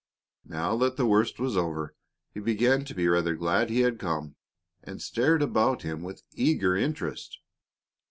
Now that the worst was over he began to be rather glad he had come, and stared about him with eager interest.